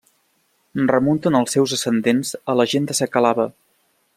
Remunten els seus ascendents a la gent de sakalava.